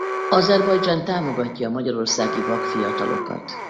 Azerbajdzsán támogatja a magyarországi vak fiatalokat.